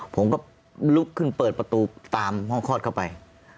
ผมก็ลุกขึ้นเปิดประตูตามห้องคลอดเข้าไป